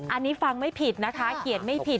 อันนี้ฟังไม่ผิดนะคะเขียนไม่ผิด